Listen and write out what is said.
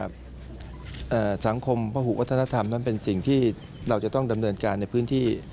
สังคมพระหุวัฒนธรรมนั้นเป็นสิ่งที่เราจะต้องดำเนินการในพื้นที่